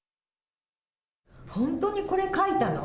本当にこれ、書いたの？